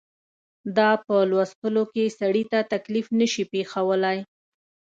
دا په لوستلو کې سړي ته تکلیف نه شي پېښولای.